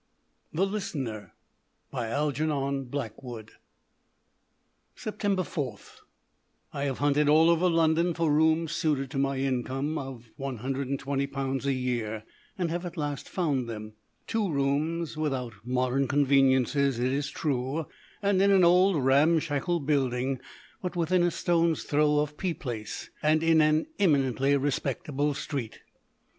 The Listener by Algernon Blackwood The Listener by Algernon Blackwood .... Sept. 4. I have hunted all over London for rooms suited to my income £120 a year and have at last found them. Two rooms, without modern conveniences, it is true, and in an old, ramshackle building, but within a stone's throw of P Place and in an eminently respectable street.